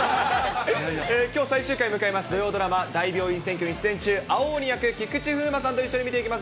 きょう最終回迎えます、土曜ドラマ、大病院占拠に出演中、青鬼役、菊池風磨さんと一緒に見ていきます。